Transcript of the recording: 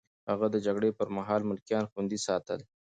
هغه د جګړې پر مهال ملکيان خوندي ساتل.